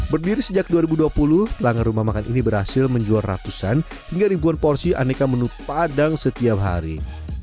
berdiri sejak dua ribu dua puluh pelanggan rumah makan ini berhasil menjual ratusan hingga ribuan porsi aneka menu padang setiap hari